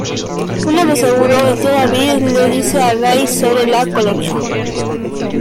Una vez seguro, el tío David le dice a Ray sobre la Colonia.